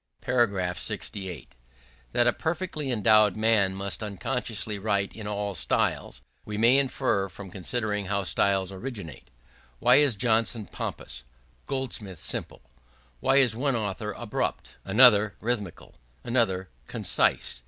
§ 68. That a perfectly endowed man must unconsciously write in all styles, we may infer from considering how styles originate. Why is Johnson pompous, Goldsmith simple? Why is one author abrupt, another rhythmical, another concise?